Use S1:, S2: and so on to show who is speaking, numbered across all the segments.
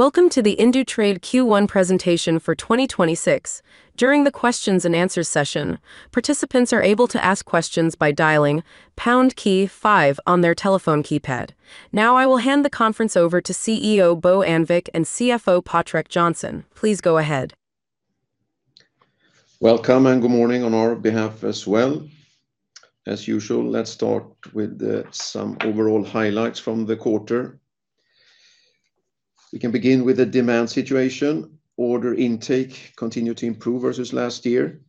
S1: Welcome to the Indutrade Q1 presentation for 2026. During the questions-and-answers session, participants are able to ask questions by dialing pound key five on their telephone keypad. Now I will hand the conference over to CEO Bo Annvik and CFO Patrik Johnson. Please go ahead.
S2: Welcome, and good morning on our behalf as well. As usual, let's start with some overall highlights from the quarter. We can begin with the demand situation. Order intake continued to improve versus last year.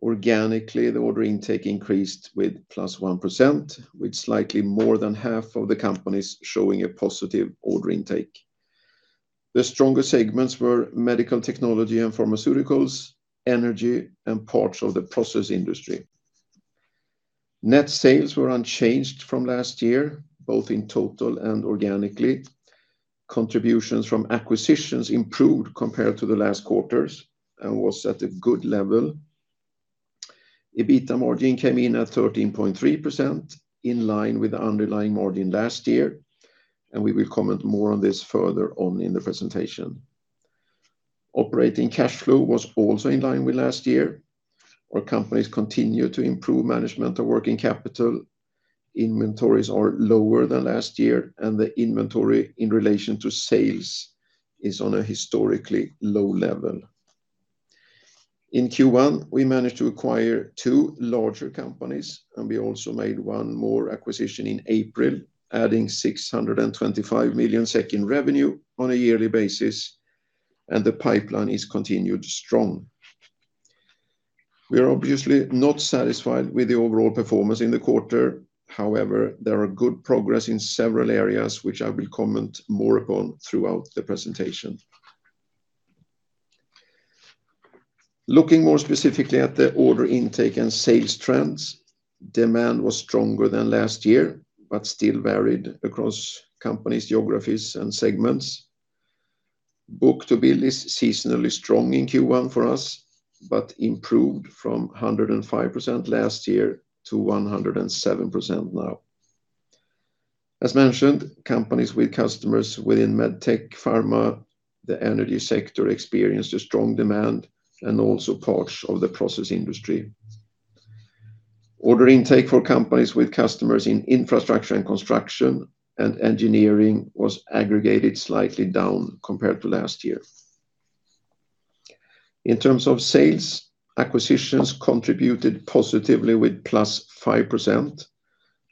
S2: Organically, the order intake increased +1%, with slightly more than half of the companies showing a positive order intake. The strongest segments were medical technology and pharmaceuticals, energy, and parts of the process industry. Net sales were unchanged from last year, both in total and organically. Contributions from acquisitions improved compared to the last quarters and was at a good level. EBITDA margin came in at 13.3%, in line with the underlying margin last year, and we will comment more on this further on in the presentation. Operating cash flow was also in line with last year. Our companies continue to improve management of working capital. Inventories are lower than last year, and the inventory in relation to sales is on a historically low level. In Q1, we managed to acquire two larger companies, and we also made one more acquisition in April, adding 625 million SEK in revenue on a yearly basis, and the pipeline is continued strong. We are obviously not satisfied with the overall performance in the quarter, however, there are good progress in several areas, which I will comment more upon throughout the presentation. Looking more specifically at the order intake and sales trends, demand was stronger than last year, but still varied across companies, geographies, and segments. Book-to-bill is seasonally strong in Q1 for us, but improved from 105% last year to 107% now. As mentioned, companies with customers within MedTech, pharma, the energy sector, experienced a strong demand and also parts of the process industry. Order intake for companies with customers in Infrastructure & Construction and Engineering was aggregated slightly down compared to last year. In terms of sales, acquisitions contributed positively with +5%,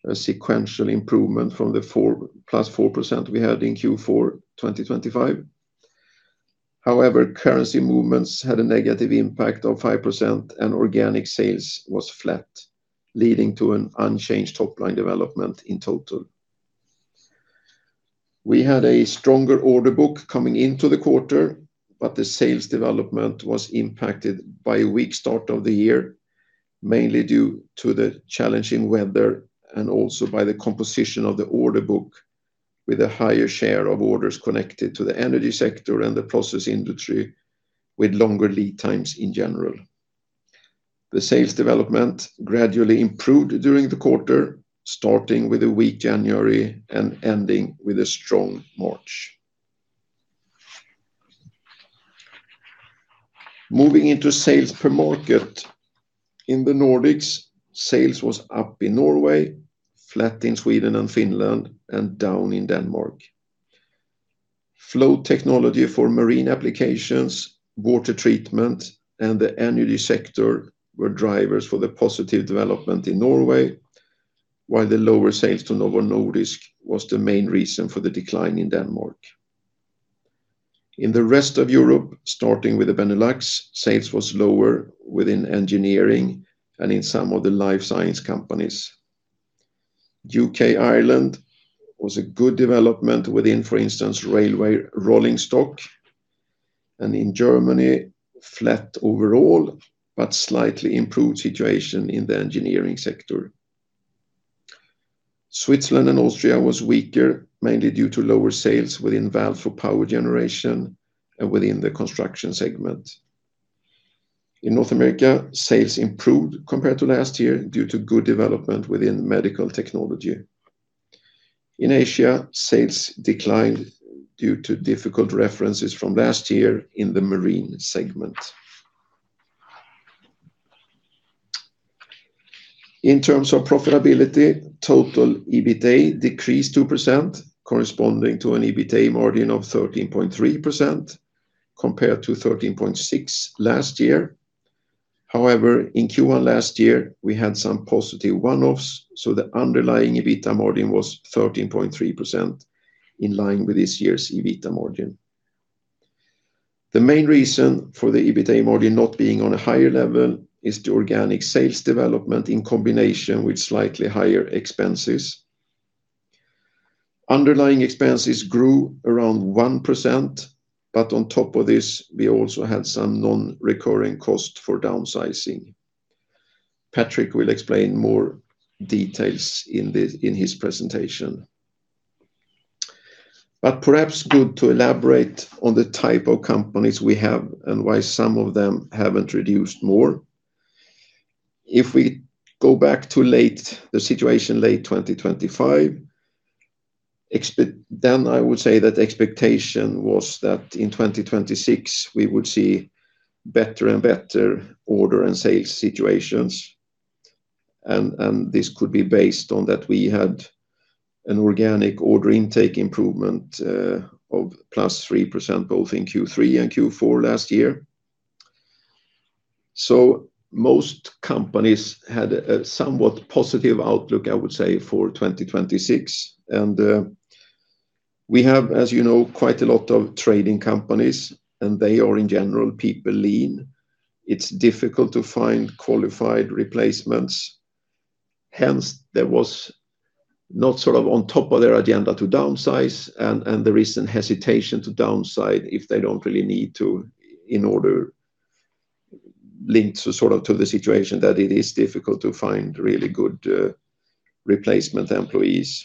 S2: a sequential improvement from the +4% we had in Q4 2025. However, currency movements had a negative impact of 5% and organic sales was flat, leading to an unchanged top-line development in total. We had a stronger order book coming into the quarter, but the sales development was impacted by a weak start of the year, mainly due to the challenging weather and also by the composition of the order book with a higher share of orders connected to the energy sector and the process industry with longer lead times in general. The sales development gradually improved during the quarter, starting with a weak January and ending with a strong March. Moving into sales per market. In the Nordics, sales was up in Norway, flat in Sweden and Finland, and down in Denmark. Flow technology for marine applications, water treatment, and the energy sector were drivers for the positive development in Norway, while the lower sales to Novo Nordisk was the main reason for the decline in Denmark. In the rest of Europe, starting with the Benelux, sales was lower within engineering and in some of the life science companies. U.K., Ireland, was a good development within, for instance, railway rolling stock. In Germany, flat overall, but slightly improved situation in the engineering sector. Switzerland and Austria was weaker, mainly due to lower sales within valves for power generation and within the construction segment. In North America, sales improved compared to last year due to good development within medical technology. In Asia, sales declined due to difficult references from last year in the marine segment. In terms of profitability, total EBITA decreased 2%, corresponding to an EBITA margin of 13.3% compared to 13.6% last year. However, in Q1 last year, we had some positive one-offs, so the underlying EBITA margin was 13.3%, in line with this year's EBITA margin. The main reason for the EBITA margin not being on a higher level is the organic sales development in combination with slightly higher expenses. Underlying expenses grew around 1%, but on top of this, we also had some non-recurring costs for downsizing. Patrik will explain more details in his presentation. Perhaps good to elaborate on the type of companies we have and why some of them haven't reduced more. If we go back to the situation late 2025, I would say that expectation was that in 2026 we would see better and better order and sales situations. This could be based on that we had an organic order intake improvement of +3%, both in Q3 and Q4 last year. Most companies had a somewhat positive outlook, I would say, for 2026. We have, as you know, quite a lot of trading companies, and they are in general people lean. It's difficult to find qualified replacements, hence, there was not sort of on top of their agenda to downsize and there is an hesitation to downsize if they don't really need to, in order linked to the situation that it is difficult to find really good replacement employees.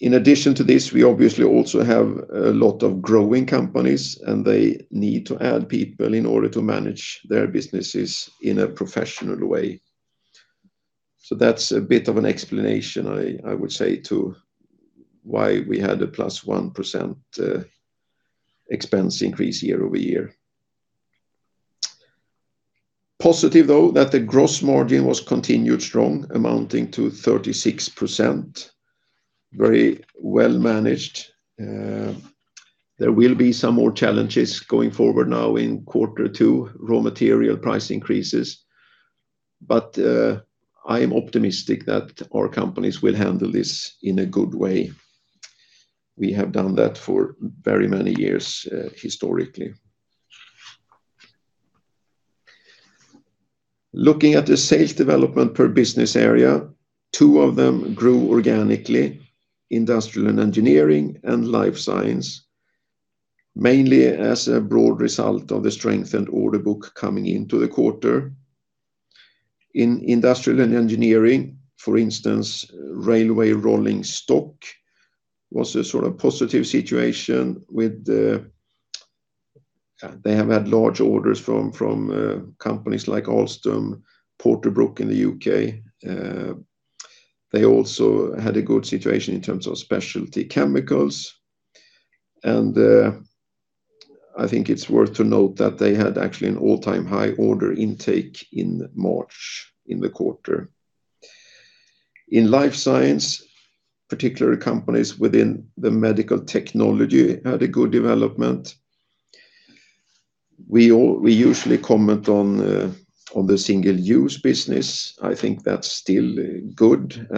S2: In addition to this, we obviously also have a lot of growing companies, and they need to add people in order to manage their businesses in a professional way. That's a bit of an explanation, I would say, to why we had a +1% expense increase year-over-year. Positive though, that the gross margin was continued strong, amounting to 36%. Very well managed. There will be some more challenges going forward now in quarter two with raw material price increases. I am optimistic that our companies will handle this in a good way. We have done that for very many years, historically. Looking at the sales development per business area, two of them grew organically, Industrial & Engineering and Life Science, mainly as a broad result of the strengthened order book coming into the quarter. In Industrial & Engineering, for instance, railway rolling stock was a sort of positive situation. They have had large orders from companies like Alstom, Porterbrook in the U.K. They also had a good situation in terms of specialty chemicals. I think it's worth to note that they had actually an all-time high order intake in March, in the quarter. In Life Science, particular companies within the medical technology had a good development. We usually comment on the single-use business. I think that's still good.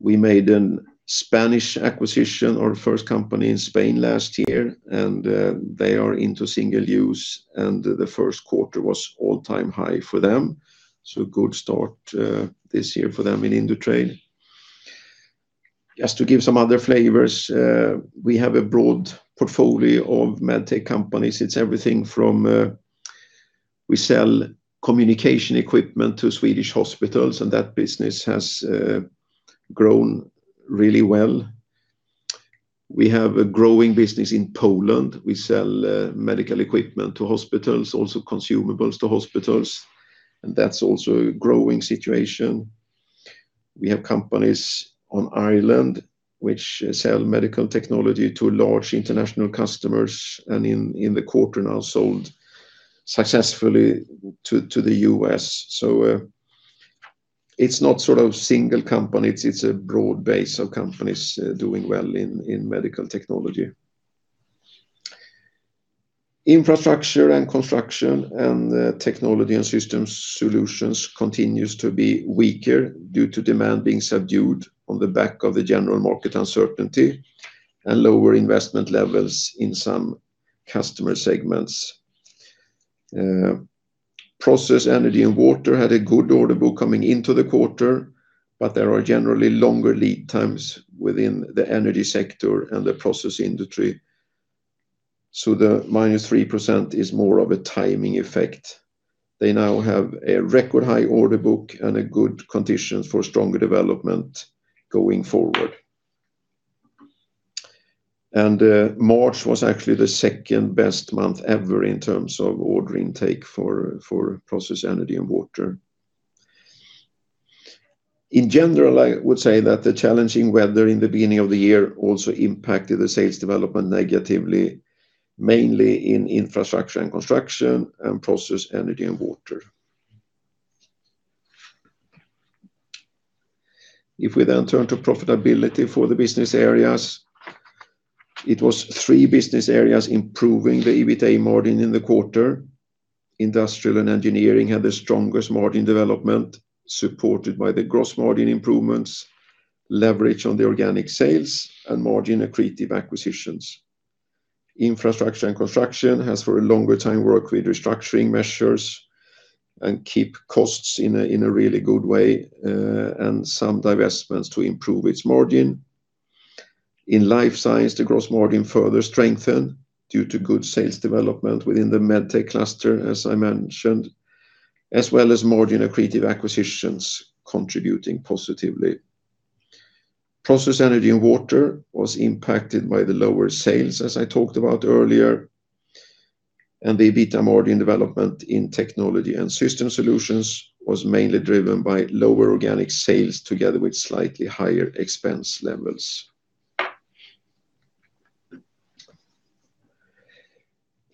S2: We made a Spanish acquisition, our first company in Spain last year, and they are into single-use and the first quarter was all-time high for them, so good start this year for them in Indutrade. Just to give some other flavors, we have a broad portfolio of MedTech companies. It's everything from, we sell communication equipment to Swedish hospitals, and that business has grown really well. We have a growing business in Poland. We sell medical equipment to hospitals, also consumables to hospitals, and that's also a growing situation. We have companies in Ireland which sell medical technology to large international customers and in the quarter now sold successfully to the U.S. It's not sort of single company. It's a broad base of companies doing well in medical technology. Infrastructure & Construction and Technology & Systems Solutions continues to be weaker due to demand being subdued on the back of the general market uncertainty and lower investment levels in some customer segments. Process, Energy & Water had a good order book coming into the quarter, but there are generally longer lead times within the energy sector and the process industry. The -3% is more of a timing effect. They now have a record high order book and a good condition for stronger development going forward. March was actually the second-best month ever in terms of order intake for Process, Energy & Water. In general, I would say that the challenging weather in the beginning of the year also impacted the sales development negatively, mainly in Infrastructure & Construction and Process, Energy & Water. If we then turn to profitability for the business areas, it was three business areas improving the EBITA margin in the quarter. Industrial & Engineering had the strongest margin development, supported by the gross margin improvements, leverage on the organic sales, and margin-accretive acquisitions. Infrastructure & Construction has for a longer time worked with restructuring measures and keep costs in a really good way, and some divestments to improve its margin. In Life Science, the gross margin further strengthened due to good sales development within the MedTech cluster, as I mentioned, as well as margin-accretive acquisitions contributing positively. Process, Energy & Water was impacted by the lower sales, as I talked about earlier. The EBITDA margin development in Technology & System Solutions was mainly driven by lower organic sales together with slightly higher expense levels.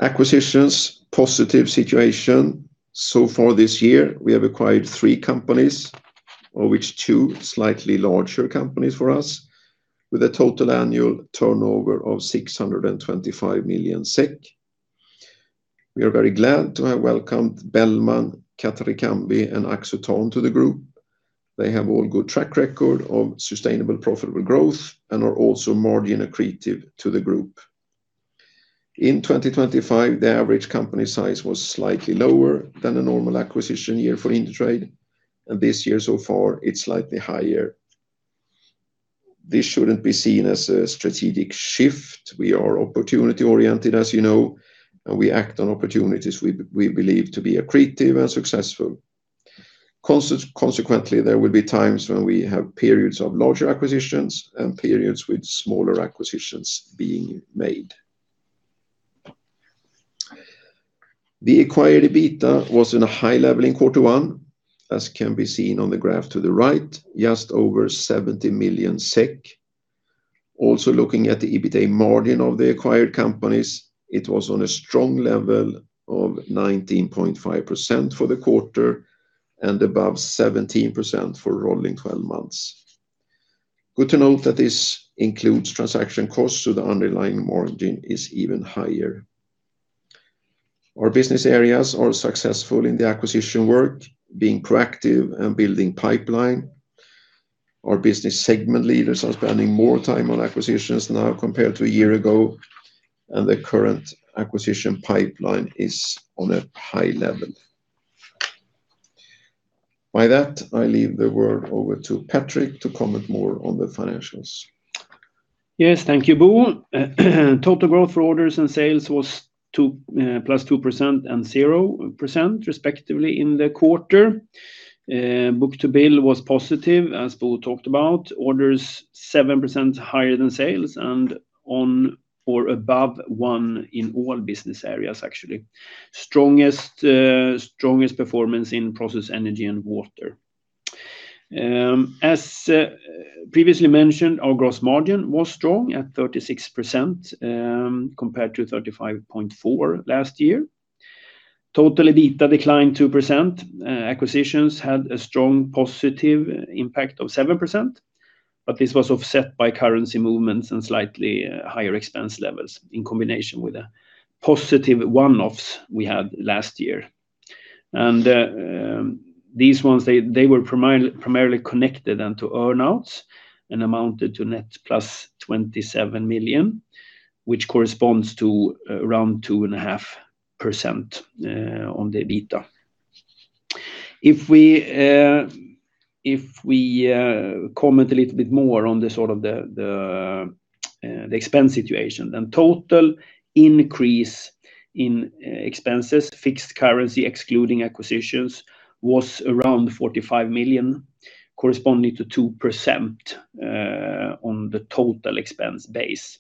S2: Acquisitions, positive situation. Far this year, we have acquired three companies, of which two slightly larger companies for us, with a total annual turnover of 625 million SEK. We are very glad to have welcomed Belman, CAT Ricambi, and Axotan to the group. They have all good track record of sustainable, profitable growth and are also margin accretive to the group. In 2025, the average company size was slightly lower than a normal acquisition year for Indutrade. This year so far, it's slightly higher. This shouldn't be seen as a strategic shift. We are opportunity-oriented, as you know, and we act on opportunities we believe to be accretive and successful. Consequently, there will be times when we have periods of larger acquisitions and periods with smaller acquisitions being made. The acquired EBITDA was in a high level in quarter one, as can be seen on the graph to the right, just over 70 million SEK. Also, looking at the EBITDA margin of the acquired companies, it was on a strong level of 19.5% for the quarter and above 17% for rolling 12 months. Good to note that this includes transaction costs, so the underlying margin is even higher. Our business areas are successful in the acquisition work, being proactive and building pipeline. Our business segment leaders are spending more time on acquisitions now compared to a year ago, and the current acquisition pipeline is on a high level. By that, I leave the word over to Patrik to comment more on the financials.
S3: Yes. Thank you, Bo. Total growth for orders and sales was +2% and 0%, respectively, in the quarter. Book-to-bill was positive, as Bo talked about. Orders 7% higher than sales and on or above one in all business areas, actually. Strongest performance in Process, Energy & Water. As previously mentioned, our gross margin was strong at 36%, compared to 35.4% last year. Total EBITDA declined 2%. Acquisitions had a strong positive impact of 7%, but this was offset by currency movements and slightly higher expense levels, in combination with the positive one-offs we had last year. These ones, they were primarily connected then to earn-outs and amounted to net +27 million, which corresponds to around 2.5% on the EBITDA. If we comment a little bit more on the expense situation, total increase in expenses, fixed currency, excluding acquisitions, was around 45 million, corresponding to 2% on the total expense base.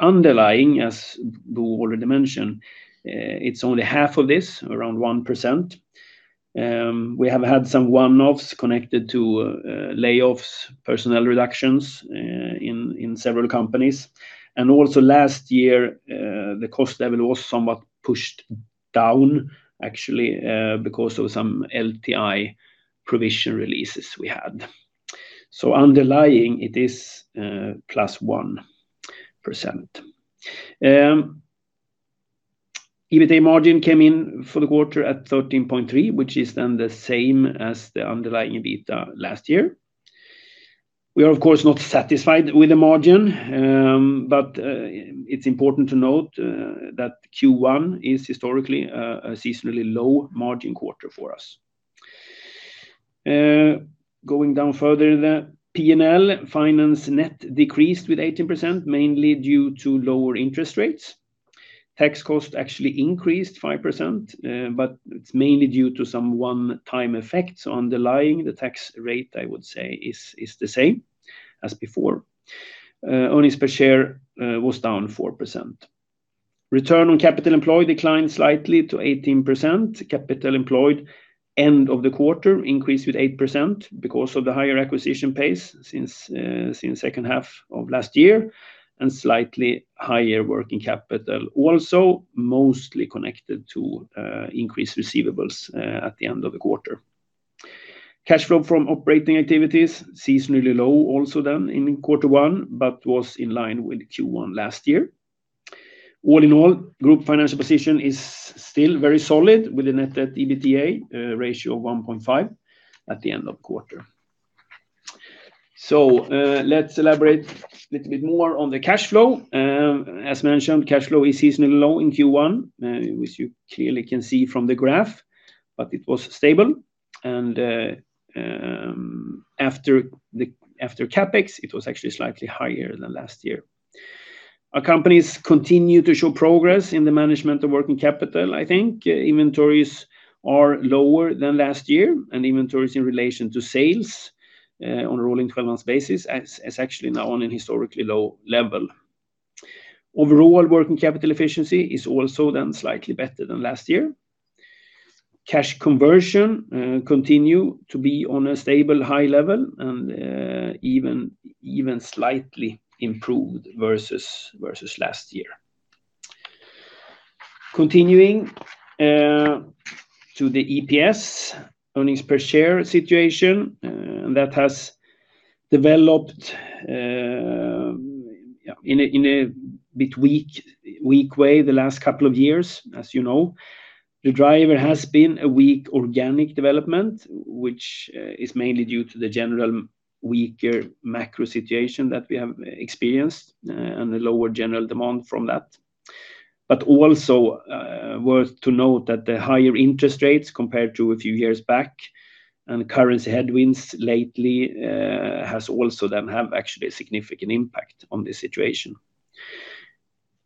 S3: Underlying, as Bo already mentioned, it's only half of this, around 1%. We have had some one-offs connected to layoffs, personnel reductions in several companies. Also last year, the cost level was somewhat pushed down, actually, because of some LTI provision releases we had. Underlying, it is +1%. EBITDA margin came in for the quarter at 13.3, which is then the same as the underlying EBITDA last year. We are, of course, not satisfied with the margin, but it's important to note that Q1 is historically a seasonally low-margin quarter for us. Going down further in the P&L, finance net decreased with 18%, mainly due to lower interest rates. Tax cost actually increased 5%, but it's mainly due to some one-time effects. Underlying the tax rate, I would say, is the same as before. Earnings per share was down 4%. Return on capital employed declined slightly to 18%. Capital employed end of the quarter increased with 8% because of the higher acquisition pace since second half of last year, and slightly higher working capital, also mostly connected to increased receivables at the end of the quarter. Cash flow from operating activities, seasonally low also then in quarter one, but was in line with Q1 last year. All in all, group financial position is still very solid with a net debt to EBITDA ratio of 1.5 at the end of quarter. Let's elaborate little bit more on the cash flow. As mentioned, cash flow is seasonally low in Q1, which you clearly can see from the graph, but it was stable. After CapEx, it was actually slightly higher than last year. Our companies continue to show progress in the management of working capital. I think inventories are lower than last year, and inventories in relation to sales on a rolling 12 months basis is actually now on a historically low level. Overall working capital efficiency is also then slightly better than last year. Cash conversion continue to be on a stable high level and even slightly improved versus last year. Continuing to the EPS, earnings per share situation, that has developed in a bit weak way the last couple of years, as you know. The driver has been a weak organic development, which is mainly due to the general weaker macro situation that we have experienced and the lower general demand from that. Also, worth noting that the higher interest rates compared to a few years back and currency headwinds lately has also then actually a significant impact on this situation.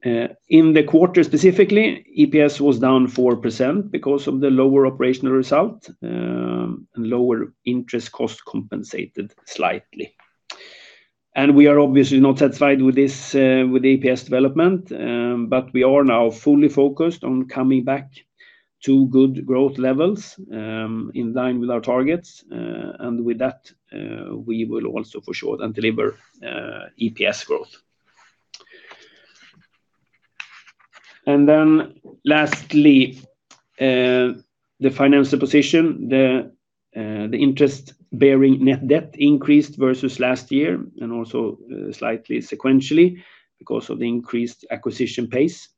S3: In the quarter, specifically, EPS was down 4% because of the lower operational result, and lower interest cost compensated slightly. We are obviously not satisfied with EPS development, but we are now fully focused on coming back to good growth levels in line with our targets. With that, we will also for sure then deliver EPS growth. Then lastly, the financial position, the interest-bearing net debt increased versus last year and also slightly sequentially because of the increased acquisition pace,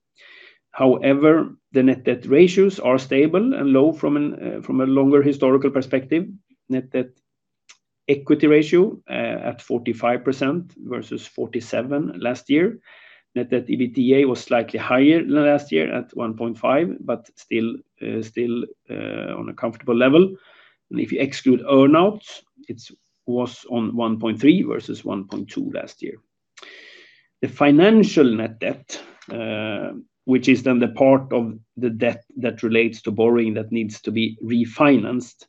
S3: however, the net debt ratios are stable and low from a longer historical perspective. Net debt-to-equity ratio at 45% versus 47% last year. Net debt to EBITDA was slightly higher than last year at 1.5, but still on a comfortable level. If you exclude earn-outs, it was on 1.3 versus 1.2 last year. The financial net debt, which is then the part of the debt that relates to borrowing that needs to be refinanced,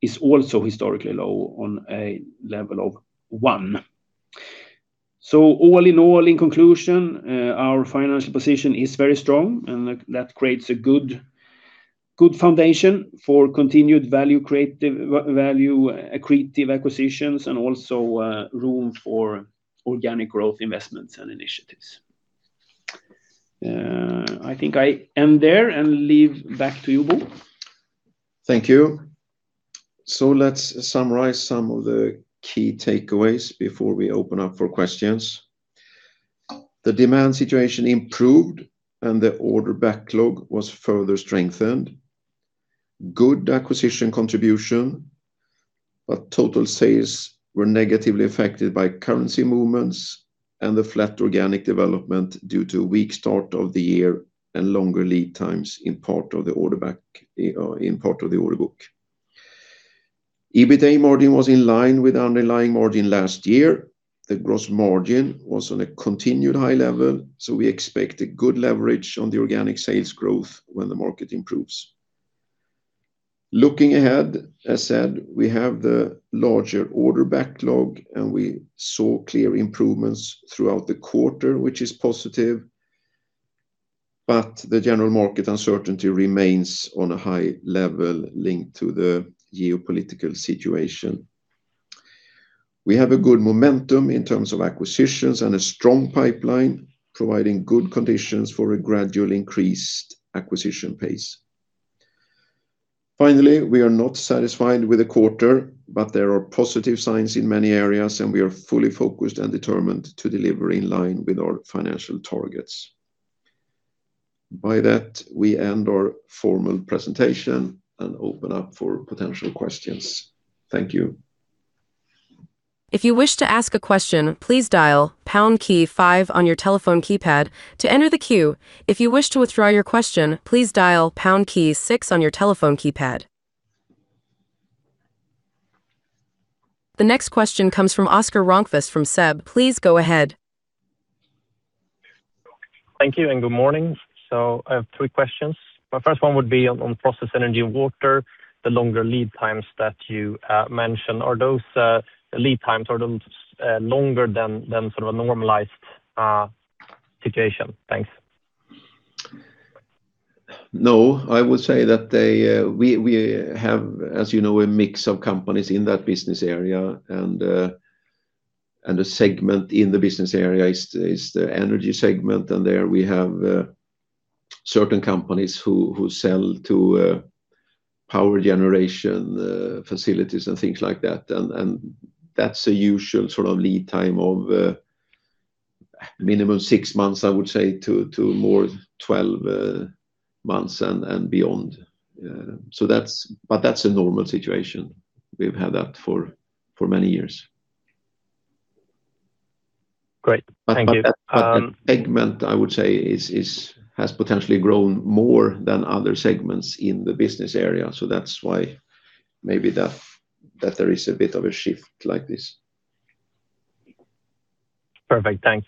S3: is also historically low on a level of one. All in all, in conclusion, our financial position is very strong and that creates a good foundation for continued value accretive acquisitions, and also room for organic growth investments and initiatives. I think I end there and leave back to you, Bo.
S2: Thank you. Let's summarize some of the key takeaways before we open up for questions. The demand situation improved, and the order backlog was further strengthened. Good acquisition contribution, but total sales were negatively affected by currency movements and the flat organic development due to a weak start of the year and longer lead times in part of the order book. EBITA margin was in line with underlying margin last year. The gross margin was on a continued high level, so we expect a good leverage on the organic sales growth when the market improves. Looking ahead, as said, we have the larger order backlog and we saw clear improvements throughout the quarter, which is positive. The general market uncertainty remains on a high level linked to the geopolitical situation. We have a good momentum in terms of acquisitions and a strong pipeline, providing good conditions for a gradually increased acquisition pace. Finally, we are not satisfied with the quarter, but there are positive signs in many areas, and we are fully focused and determined to deliver in line with our financial targets. By that, we end our formal presentation and open up for potential questions. Thank you.
S1: If you wish to ask a question, please dial pound key five on your telephone keypad. To end the queue, if you wish to withdraw your question, please dial pound key six on your telephone keypad. The next question comes from Oscar Rönnkvist from SEB. Please go ahead.
S4: Thank you and good morning, so I have three questions. My first one would be on Process, Energy & Water, the longer lead times that you mentioned. Are those lead times longer than a normalized situation? Thanks.
S2: No, I would say that we have, as you know, a mix of companies in that business area, and the segment in the business area is the energy segment, and there we have certain companies who sell to power generation facilities and things like that. That's a usual lead time of minimum six months, I would say, to more than 12 months and beyond. That's a normal situation. We've had that for many years.
S4: Great. Thank you.
S2: That segment, I would say, has potentially grown more than other segments in the business area so that's why maybe that there is a bit of a shift like this.
S4: Perfect. Thanks.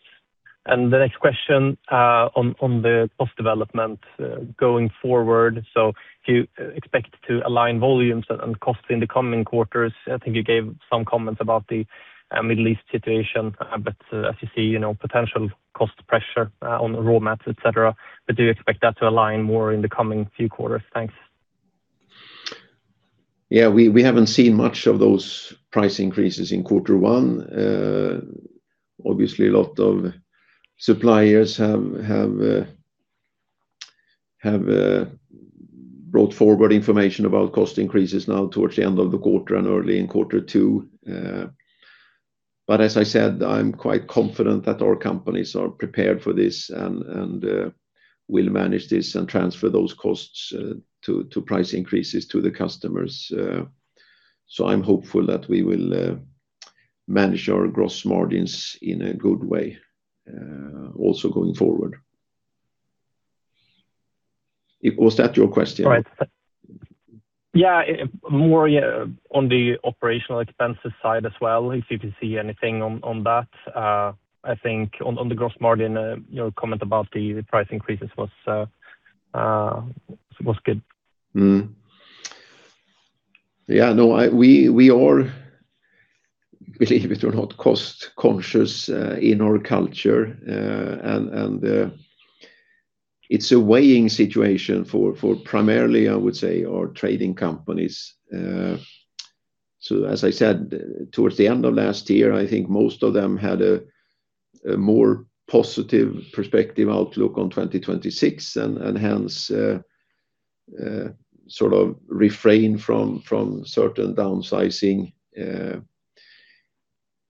S4: The next question on the cost development going forward. Do you expect to align volumes and costs in the coming quarters? I think you gave some comments about the Middle East situation, but as you see, potential cost pressure on the raw materials, etc. Do you expect that to align more in the coming few quarters? Thanks.
S2: Yeah. We haven't seen much of those price increases in quarter one. Obviously, a lot of suppliers have brought forward information about cost increases now towards the end of the quarter and early in quarter two. As I said, I'm quite confident that our companies are prepared for this and will manage this and transfer those costs to price increases to the customers. I'm hopeful that we will manage our gross margins in a good way, also going forward. Was that your question?
S4: Right. Yeah, more on the operational expenses side as well, if you can see anything on that. I think on the gross margin, your comment about the price increases was good.
S2: Yeah. No, we are, believe it or not, cost-conscious in our culture. It's a weighing situation for primarily, I would say, our trading companies. as I said, towards the end of last year, I think most of them had a more positive perspective outlook on 2026, and hence, sort of refrain from certain downsizing.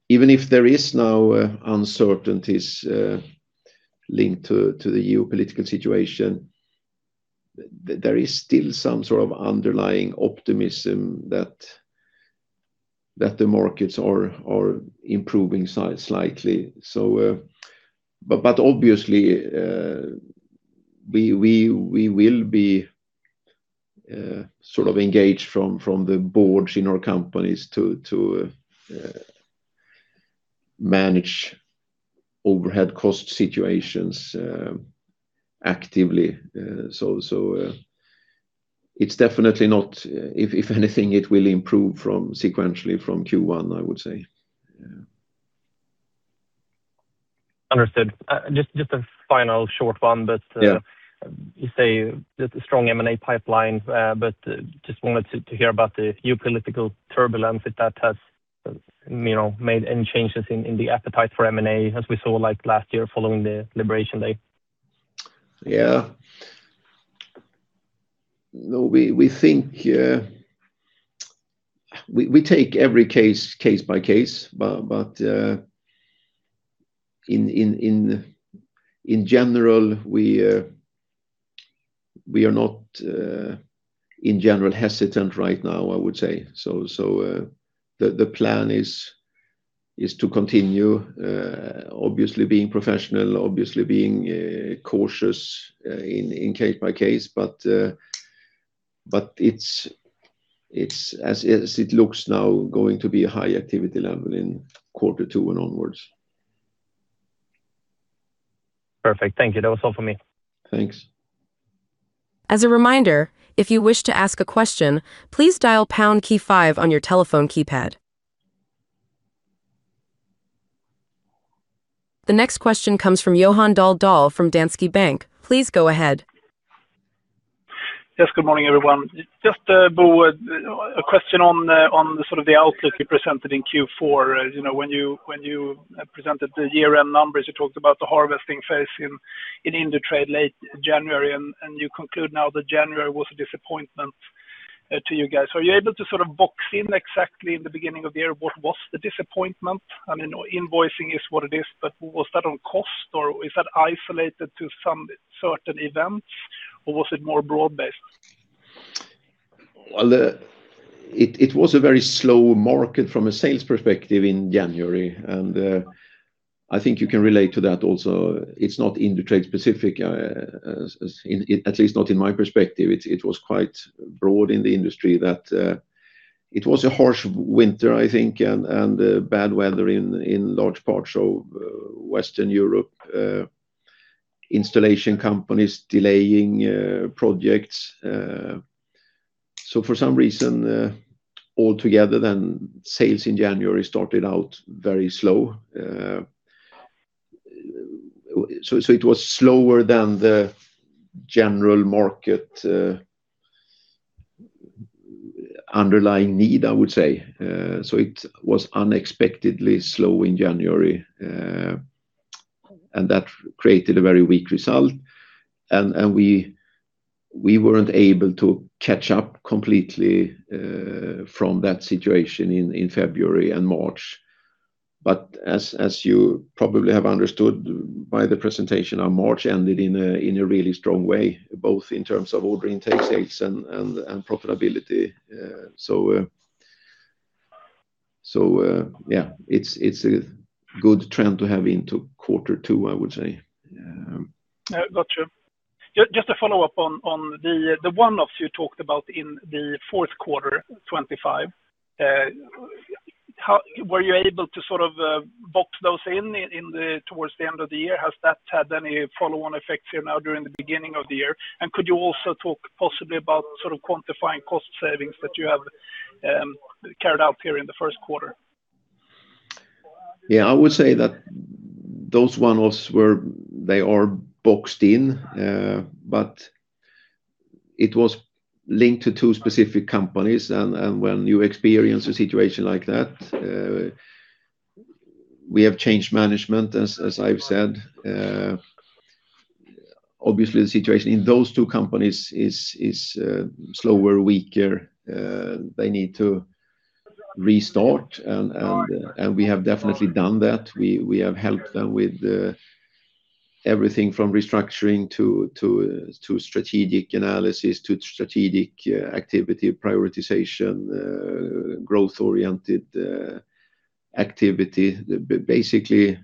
S2: Even if there is now uncertainties linked to the geopolitical situation, there is still some sort of underlying optimism that the markets are improving slightly. Obviously, we will be engaged from the boards in our companies to manage overhead cost situations actively. It's definitely not. If anything, it will improve sequentially from Q1, I would say. Yeah.
S4: Understood. Just a final short one, but-
S2: Yeah....
S4: you say there's a strong M&A pipeline, but just wanted to hear about the geopolitical turbulence, if that has made any changes in the appetite for M&A as we saw last year following the Liberation Day?
S2: Yeah. No, we take every case by case, but in general, we are not hesitant right now, I would say. The plan is to continue, obviously being professional, obviously being cautious in case by case, but as it looks now, going to be a high activity level in quarter two and onwards.
S4: Perfect. Thank you. That was all for me.
S2: Thanks.
S1: As a reminder, if you wish to ask a question, please dial pound, key five on your telephone keypad. The next question comes from Johan Dahl from Danske Bank. Please go ahead.
S5: Yes, good morning, everyone. Just, Bo, a question on sort of the outlook you presented in Q4. When you presented the year-end numbers, you talked about the harvesting phase in Indutrade late January, and you conclude now that January was a disappointment to you guys. Are you able to sort of box in exactly in the beginning of the year, what was the disappointment? Invoicing is what it is, but was that on cost, or is that isolated to some certain events, or was it more broad-based?
S2: Well, it was a very slow market from a sales perspective in January, and I think you can relate to that also. It's not Indutrade specific, at least not in my perspective. It was quite broad in the industry that it was a harsh winter, I think, and bad weather in large parts of Western Europe, installation companies delaying projects. For some reason, altogether then, sales in January started out very slow. It was slower than the general market underlying need, I would say. It was unexpectedly slow in January, and that created a very weak result. We weren't able to catch up completely from that situation in February and March. As you probably have understood by the presentation, our March ended in a really strong way, both in terms of order intake, sales, and profitability. Yeah. It's a good trend to have into quarter two, I would say.
S5: Got you. Just a follow-up on the one-offs you talked about in the fourth quarter 2025. Were you able to box those in towards the end of the year? Has that had any follow-on effects here now during the beginning of the year? And could you also talk possibly about quantifying cost savings that you have carried out here in the first quarter?
S2: Yeah, I would say that those one-offs are boxed in, but it was linked to two specific companies and when you experience a situation like that, we have changed management as I've said. Obviously, the situation in those two companies is slower, weaker. They need to restart and we have definitely done that and we have helped them with everything from restructuring to strategic analysis to strategic activity prioritization, growth-oriented activity, basically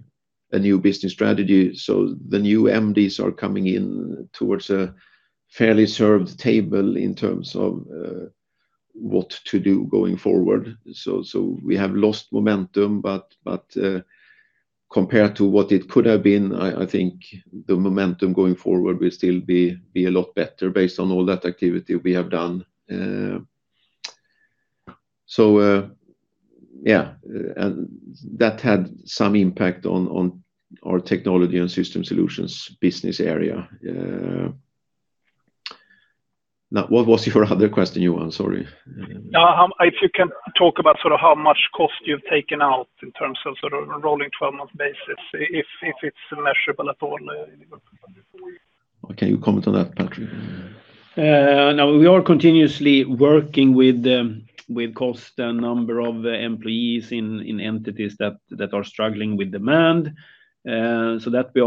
S2: a new business strategy. The new MDs are coming in towards a fairly served table in terms of what to do going forward. We have lost momentum, but compared to what it could have been, I think the momentum going forward will still be a lot better based on all that activity we have done. Yeah. That had some impact on our Technology & System Solutions business area. Now, what was your other question, Johan? Sorry.
S5: If you can talk about how much cost you've taken out in terms of rolling 12-month basis, if it's measurable at all?
S2: Okay, you comment on that, Patrik?
S3: Now, we are continuously working with cost and number of employees in entities that are struggling with demand. That we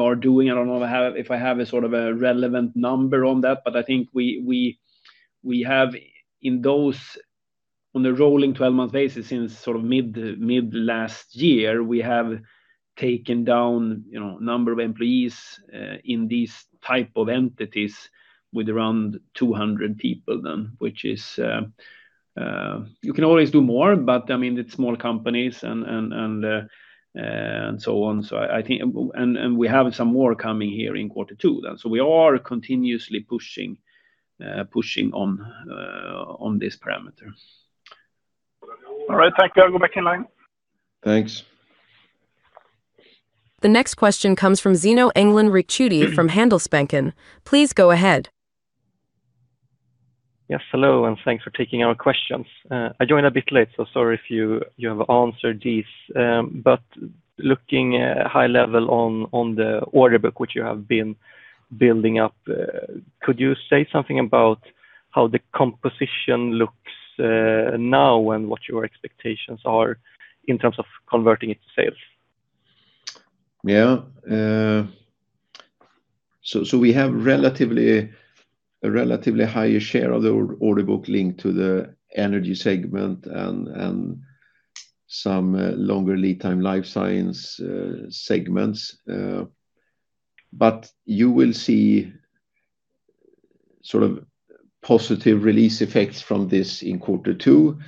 S3: are doing. I don't know if I have a relevant number on that, but I think we have on the rolling 12-month basis, since mid last year, we have taken down number of employees in these type of entities with around 200 people then, which you can always do more, but it's small companies and so on. We have some more coming here in quarter two then, so we are continuously pushing on this parameter.
S5: All right. Thank you. I'll go back in line.
S2: Thanks.
S1: The next question comes from Zino Engdalen Ricciuti from Handelsbanken. Please go ahead.
S6: Yes, hello, and thanks for taking our questions. I joined a bit late, so sorry if you have answered these. Looking at high level on the order book which you have been building up, could you say something about how the composition looks now and what your expectations are in terms of converting it to sales?
S2: Yeah. We have a relatively higher share of the order book linked to the Energy segment and some longer lead time Life Science segments. You will see positive release effects from this in quarter two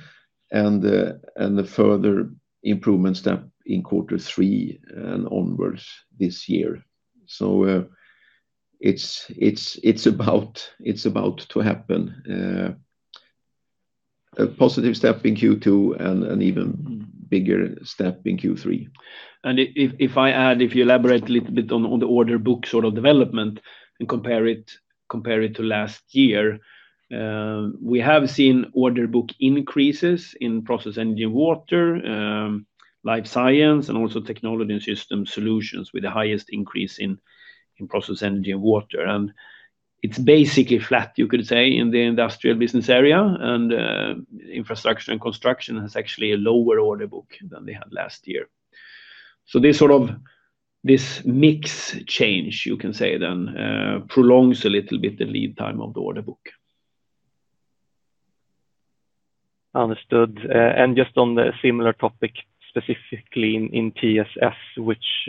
S2: and the further improvements then in quarter three and onwards this year. It's about to happen. A positive step in Q2 and an even bigger step in Q3.
S3: If I add, if you elaborate a little bit on the order book development and compare it to last year, we have seen order book increases in Process, Energy & Water, Life Science, and also Technology & System Solutions with the highest increase in Process, Energy & Water. It's basically flat, you could say, in the Industrial & Engineering business area, and Infrastructure & Construction has actually a lower order book than they had last year. This mix change, you can say then, prolongs a little bit the lead time of the order book.
S6: Understood. Just on the similar topic, specifically in TSS, which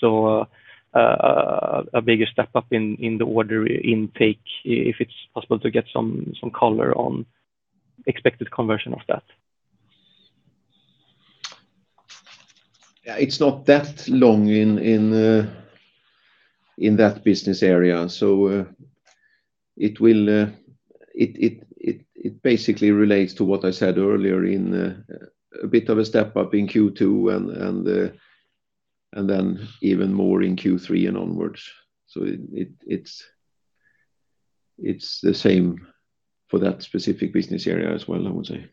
S6: saw a bigger step up in the order intake, if it's possible to get some color on expected conversion of that?
S2: Yeah. It's not that long in that business area, so it basically relates to what I said earlier in a bit of a step up in Q2 and then even more in Q3 and onwards. It's the same for that specific business area as well, I would say.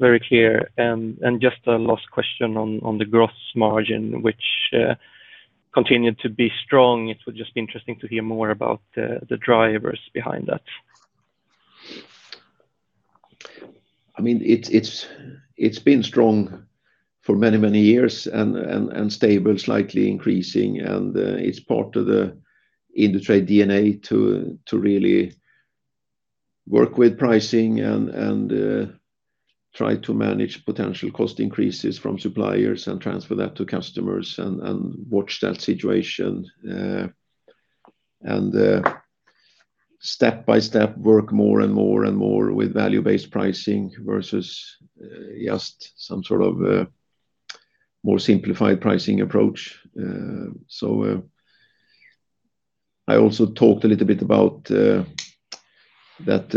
S6: Very clear. Just a last question on the gross margin, which continued to be strong. It would just be interesting to hear more about the drivers behind that.
S2: It's been strong for many, many years and stable, slightly increasing, and it's part of the Indutrade DNA to really work with pricing and try to manage potential cost increases from suppliers and transfer that to customers and watch that situation, step by step, work more and more with value-based pricing versus just some sort of more simplified pricing approach. I also talked a little bit about that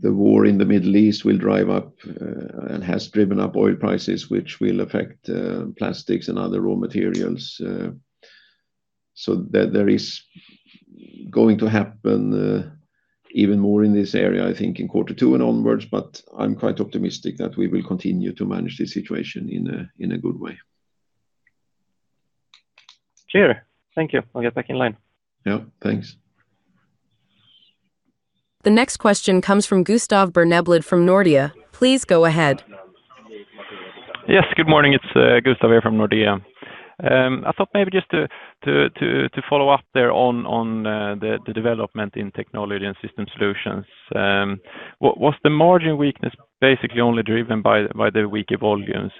S2: the war in the Middle East will drive up, and has driven up oil prices, which will affect plastics and other raw materials. There is going to happen even more in this area, I think in quarter two and onwards, but I'm quite optimistic that we will continue to manage this situation in a good way.
S6: Cheer. Thank you. I'll get back in line.
S2: Yeah, thanks.
S1: The next question comes from Gustav Berneblad from Nordea. Please go ahead.
S7: Yes, good morning. It's Gustav here from Nordea. I thought maybe just to follow up there on the development in Technology & System Solutions. Was the margin weakness basically only driven by the weaker volumes?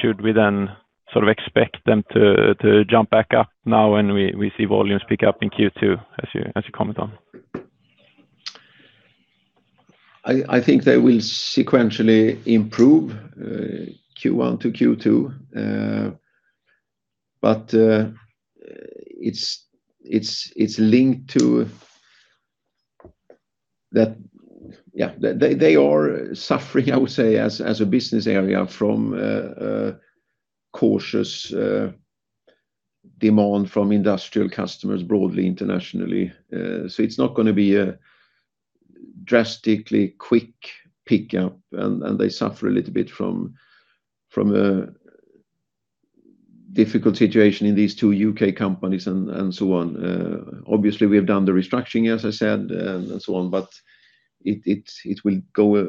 S7: Should we then sort of expect them to jump back up now when we see volumes pick up in Q2, as you comment on?
S2: I think they will sequentially improve Q1 to Q2. It's linked to. They are suffering, I would say, as a business area from cautious demand from industrial customers broadly internationally. It's not going to be a drastically quick pickup, and they suffer a little bit from a difficult situation in these two U.K. companies and so on. Obviously, we have done the restructuring, as I said, and so on, but it will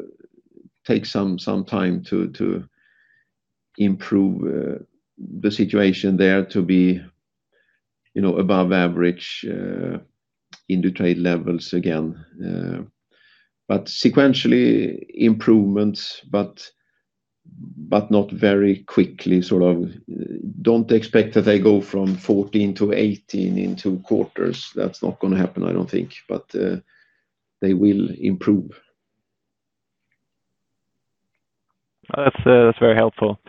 S2: take some time to improve the situation there to be above average Indutrade levels again. Sequentially improvements, but not very quickly. Don't expect that they go from 14%-18% in two quarters. That's not going to happen, I don't think. They will improve.
S7: That's very helpful.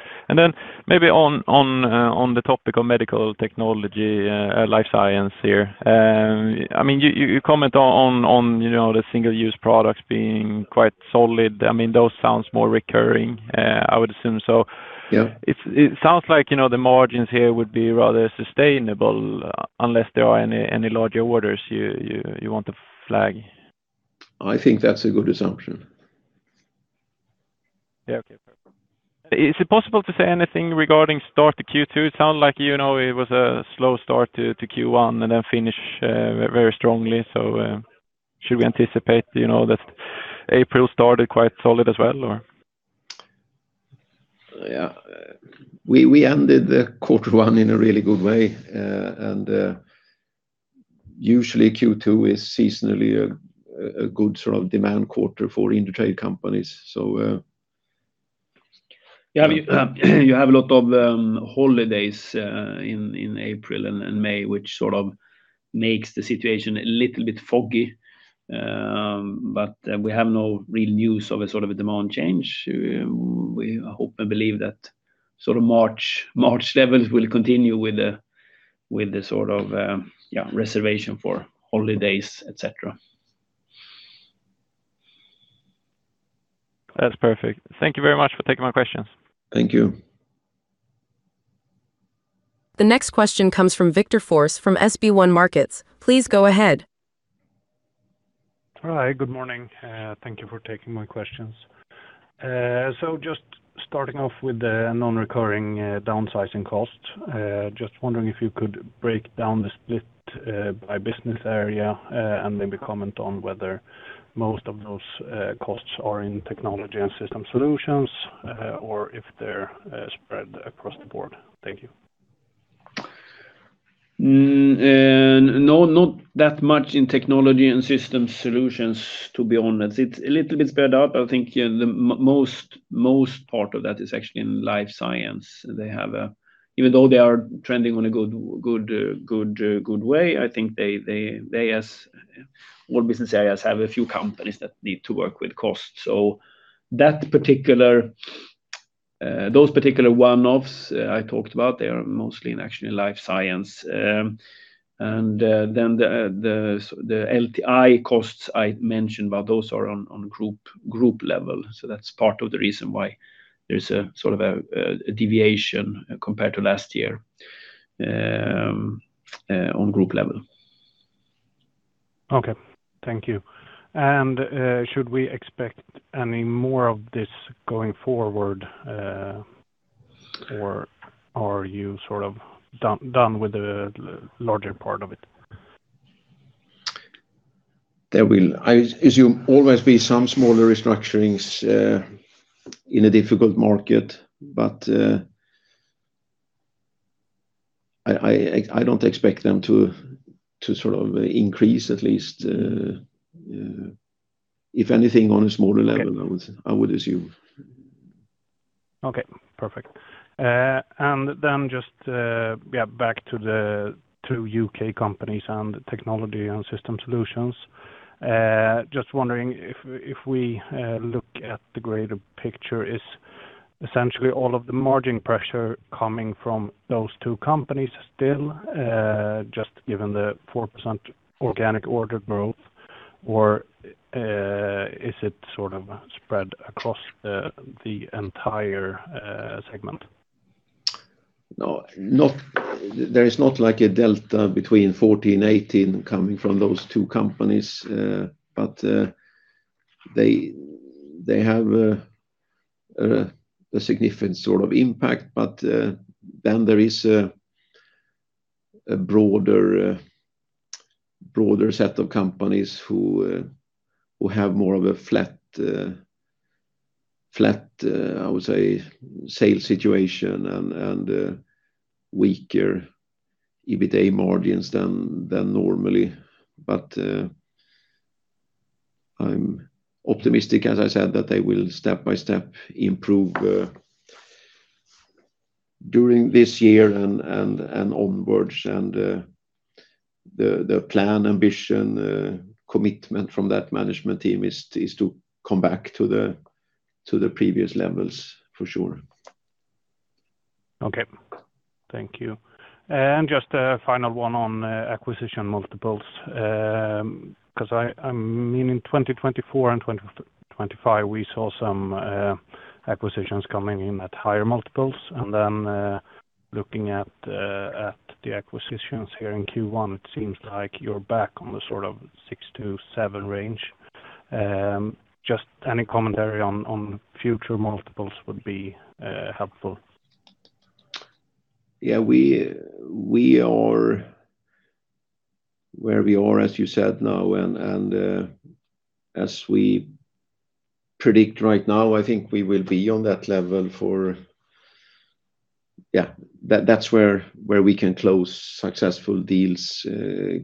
S7: Maybe on the topic of medical technology, Life Science here. You comment on the single-use products being quite solid. Those sounds more recurring, I would assume so.
S2: Yeah.
S7: It sounds like the margins here would be rather sustainable unless there are any larger orders you want to flag.
S2: I think that's a good assumption.
S7: Yeah. Okay. Is it possible to say anything regarding start to Q2? It sounded like it was a slow start to Q1 and then finish very strongly. Should we anticipate that April started quite solid as well, or?
S2: Yeah. We ended the quarter one in a really good way. Usually Q2 is seasonally a good sort of demand quarter for Indutrade companies.
S3: You have a lot of holidays in April and May, which sort of makes the situation a little bit foggy. We have no real news of a sort of a demand change. We hope and believe that sort of March levels will continue with the sort of reservation for holidays, etc.
S7: That's perfect. Thank you very much for taking my questions.
S2: Thank you.
S1: The next question comes from Victor Forss from SB1 Markets. Please go ahead.
S8: Hi. Good morning. Thank you for taking my questions. Just starting off with the non-recurring downsizing cost. Just wondering if you could break down the split by business area, and maybe comment on whether most of those costs are in Technology & System Solutions, or if they're spread across the board. Thank you.
S3: No, not that much in Technology & System Solutions, to be honest. It's a little bit spread out. I think the most part of that is actually in Life Science. Even though they are trending on a good way, I think all business areas have a few companies that need to work with cost. Those particular one-offs I talked about, they are mostly in actually Life Science. Then the LTI costs I mentioned, but those are on group level. That's part of the reason why there's a sort of a deviation compared to last year on group level.
S8: Okay. Thank you. Should we expect any more of this going forward? Or are you sort of done with the larger part of it?
S2: There will, I assume, always be some smaller restructurings in a difficult market. I don't expect them to increase, at least. If anything, on a smaller level.
S8: Okay.
S2: I would assume.
S8: Okay, perfect. Just back to the two U.K. companies and Technology & System Solutions. Just wondering if we look at the greater picture, is essentially all of the margin pressure coming from those two companies still, just given the 4% organic order growth, or is it spread across the entire segment?
S2: No. There is not like a delta between 14, 18 coming from those two companies, but they have a significant impact. There is a broader set of companies who have more of a flat, I would say, sales situation and weaker EBITA margins than normally. I'm optimistic, as I said, that they will step by step improve during this year and onward. The plan, ambition, commitment from that management team is to come back to the previous levels for sure.
S8: Okay. Thank you. Just a final one on acquisition multiples because I mean in 2024 and 2025, we saw some acquisitions coming in at higher multiples. Looking at the acquisitions here in Q1, it seems like you're back on the 6%-7% range. Just any commentary on future multiples would be helpful.
S2: Yeah. We are where we are, as you said now, and as we predict right now, I think we will be on that level. Yeah, that's where we can close successful deals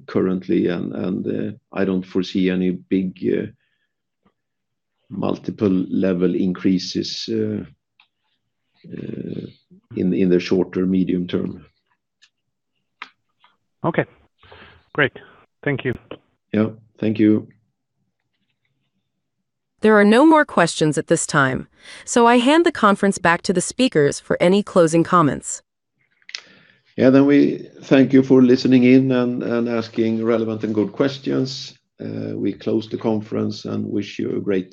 S2: currently, and I don't foresee any big multiple level increases in the short or medium term.
S8: Okay, great. Thank you.
S2: Yeah. Thank you.
S1: There are no more questions at this time, so I hand the conference back to the speakers for any closing comments.
S2: Yeah. We thank you for listening in and asking relevant and good questions. We close the conference and wish you a great day.